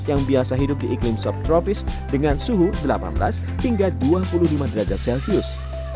yang biasa hidup di iklim subtropis dengan suhu delapan belas hingga dua puluh lima derajat celcius